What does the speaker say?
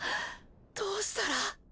どうしたら。